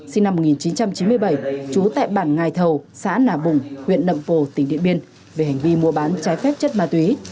sinh năm một nghìn chín trăm chín mươi bảy trú tại bản ngài thầu xã nà bùng huyện nậm pồ tỉnh điện biên về hành vi mua bán trái phép chất ma túy